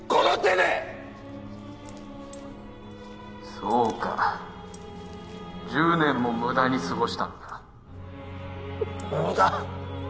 そうか１０年も無駄に過ごしたのか無駄！？